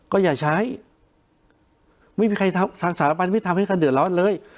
ก็อย่าใช้ไม่มีใครทำทางสถาบันไม่ทำให้ใครเดือดร้อนเลย